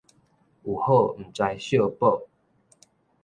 有好毋知惜寶